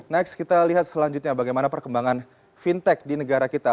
next kita lihat selanjutnya bagaimana perkembangan fintech di negara kita